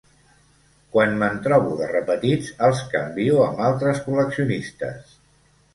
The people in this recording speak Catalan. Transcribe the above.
Quan me'n trobo de repetits, els canvio amb altres col·leccionistes.